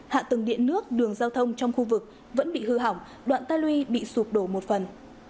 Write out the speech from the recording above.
hạ tầng điện nước đường giao thông trong khu vực vẫn bị hư hỏng đoạn tai luy bị sụp đổ một phần